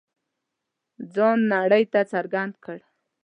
ځان نړۍ ته څرګند کړ.